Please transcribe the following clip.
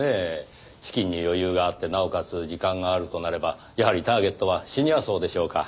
資金に余裕があってなおかつ時間があるとなればやはりターゲットはシニア層でしょうか？